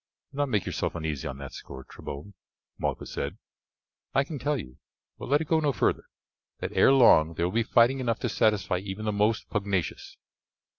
"Do not make yourself uneasy on that score, Trebon," Malchus said, "I can tell you, but let it go no further, that ere long there will be fighting enough to satisfy even the most pugnacious."